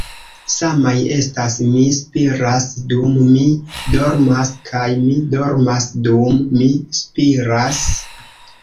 Samaj estas 'Mi spiras dum mi dormas' kaj 'Mi dormas dum mi spiras.'